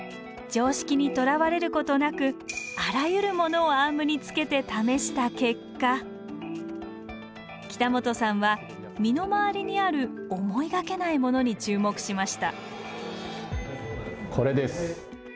常識にとらわれることなくあらゆるものをアームに付けて試した結果北本さんは身の回りにある思いがけないものに注目しましたこれです。